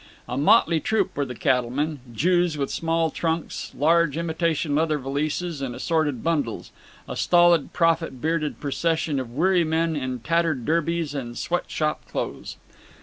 A motley troupe were the cattlemen—Jews with small trunks, large imitation leather valises and assorted bundles, a stolid prophet bearded procession of weary men in tattered derbies and sweat shop clothes.